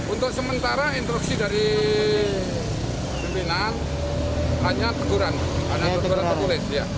untuk sementara instruksi dari pimpinan hanya teguran tertulis